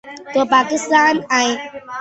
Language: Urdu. تو پاکستان آئیں۔